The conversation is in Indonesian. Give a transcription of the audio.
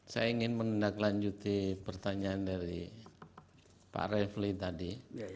saya ingin menindaklanjuti pertanyaan dari pak refli tadi